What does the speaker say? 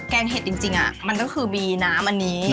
งเห็ดจริงมันก็คือบีน้ำอันนี้